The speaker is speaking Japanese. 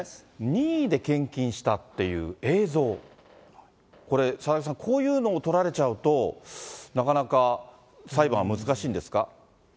任意で献金したという映像、これ、佐々木さん、こういうのを撮られちゃうと、なかなか裁判は難しいんですか。